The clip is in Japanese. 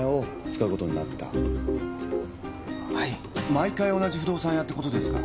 毎回同じ不動産屋ってことですか？